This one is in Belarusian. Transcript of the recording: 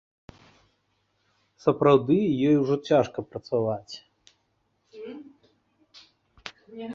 Сапраўды, ёй ужо цяжка працаваць.